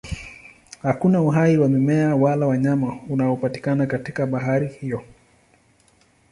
Hakuna uhai wa mimea wala wanyama unaopatikana katika bahari hiyo.